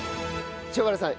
塩原さん